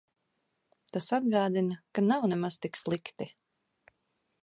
Tas atgādina, ka nav nemaz tik slikti.